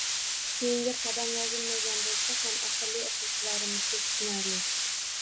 Keyingi qadam, yozilmagan bo'lsa ham, aqlli o'quvchilarimizga tushunarli